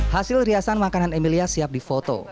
hasil riasan makanan emilia siap difoto